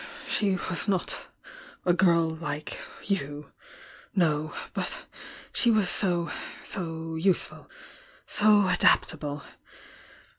— she waa not a girl like you!— no!— but she was so — so useful— so adaptable!